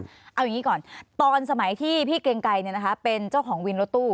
เอาอย่างนี้ก่อนตอนสมัยที่พี่เกรงไกรเป็นเจ้าของวินรถตู้